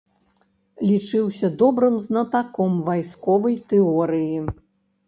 Лічыўся добрым знатаком вайсковай тэорыі.